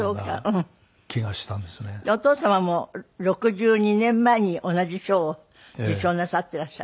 お父様も６２年前に同じ賞を受賞なさっていらっしゃる。